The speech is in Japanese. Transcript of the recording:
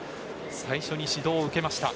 最初に指導を受けました。